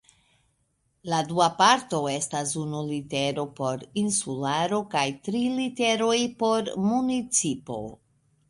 La dua parto estas unu litero por insularo du tri literoj por municipo.